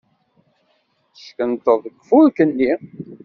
Yeckunṭeḍ deg ufurk-nni.